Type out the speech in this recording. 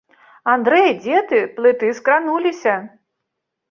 Андрэй, дзе ты, плыты скрануліся.